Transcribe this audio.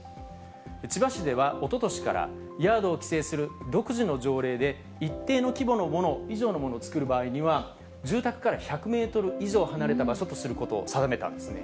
千葉市ではおととしから、ヤードを規制する独自の条例で、一定の規模のもの、以上のものを作る場合には、住宅から１００メートル以上離れた場所とすることを定めたんですね。